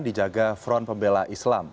dijaga front pembela islam